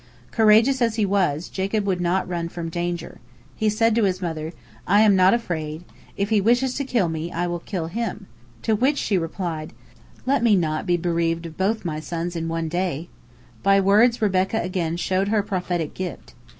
Courageous as he was, Jacob would not run away from danger. He said to his mother, "I am not afraid; if he wishes to kill me, I will kill him," to which she replied, "Let me not be bereaved of both my sons in one day." By words Rebekah again showed her prophetic gift.